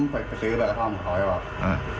ไปซื้อใบกระท่อมของเขาไงบ้าง